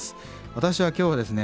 私は今日はですね